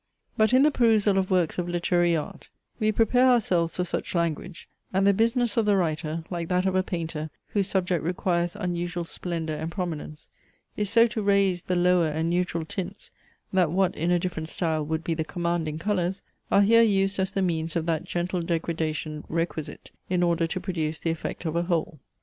But in the perusal of works of literary art, we prepare ourselves for such language; and the business of the writer, like that of a painter whose subject requires unusual splendour and prominence, is so to raise the lower and neutral tints, that what in a different style would be the commanding colours, are here used as the means of that gentle degradation requisite in order to produce the effect of a whole.